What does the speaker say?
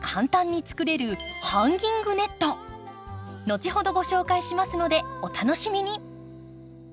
後ほどご紹介しますのでお楽しみに。